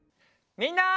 みんな！